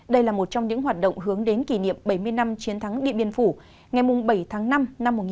đây là một trong những hoạt động hướng đến kỷ niệm bảy mươi năm chiến thắng điện biên phủ ngày bảy tháng năm năm một nghìn chín trăm bốn mươi